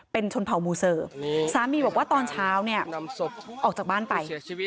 เป็นชนเผ่ามูเซอร์สามีบอกว่าตอนเช้าเนี่ยออกจากบ้านไป